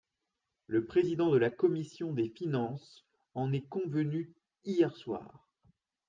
Le président de la commission des finances en est convenu hier soir.